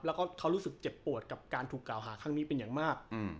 แล้วก็เขารู้สึกเจ็บปวดกับการถูกกล่าวหาครั้งนี้เป็นอย่างมาก